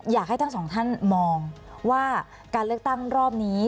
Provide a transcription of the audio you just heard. อยากให้ทั้งสองท่านมองว่าการเลือกตั้งรอบนี้